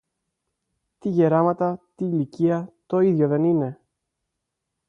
Τι γεράματα, τι ηλικία, το ίδιο δεν είναι;